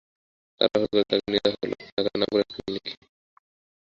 তাড়াহুড়ো করে তাকে নিয়ে যাওয়া হল ঢাকার নামকরা একটা ক্লিনিক।